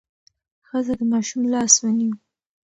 ښځه د ماشوم لاس ونیو.